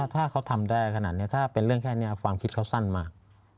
ถ้าเขาทำได้ขนาดนี้ถ้าเป็นเรื่องแค่นี้ความคิดเขาสั้นมาก